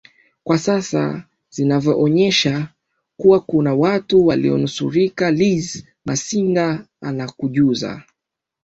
kwa sasa zinavyonyesha kuwa kuna watu walionusurika liz masinga anakujuza